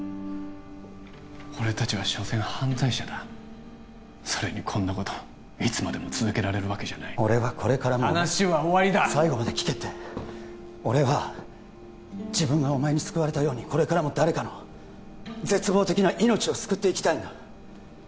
俺たちはしょせん犯罪者だそれにこんなこといつまでも続けられるわけじゃない俺はこれからも話は終わりだ最後まで聞けって俺は自分がお前に救われたようにこれからも誰かの絶望的な命を救っていきたいんだ